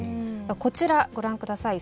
こちらご覧下さい。